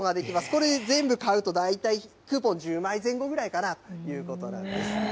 これで全部買うと、大体クーポン１０枚前後ぐらいかなということなんです。